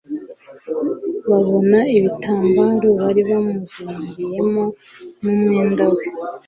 Babona ibitambaro bari bamuzingiyemo n'umwenda we